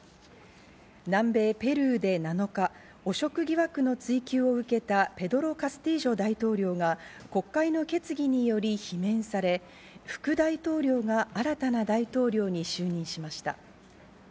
南米ペルーで７日、汚職疑惑の追及を受けたペドロ・カスティージョ大統領が国会の決議により罷免され、副大統領が新たな大統領に就任しました。